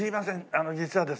あの実はですね